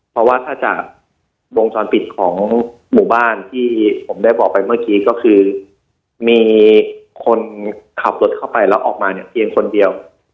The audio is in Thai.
เพราะว่าถ้าจากวงจรปิดของหมู่บ้านที่ผมได้บอกไปเมื่อกี้ก็คือมีคนขับรถเข้าไปแล้วออกมาเนี่ยเพียงคนเดียว